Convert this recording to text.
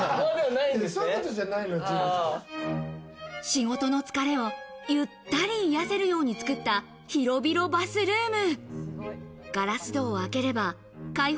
仕事の疲れをゆったり癒せるように作った、広々バスルーム。